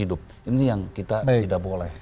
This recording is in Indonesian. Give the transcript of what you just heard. hidup ini yang kita tidak boleh